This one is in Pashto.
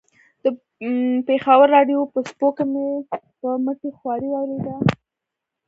د پېښور راډیو په څپو کې مې په مټې خوارۍ واورېده.